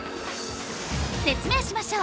説明しましょう！